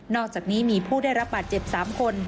อกจากนี้มีผู้ได้รับบาดเจ็บ๓คน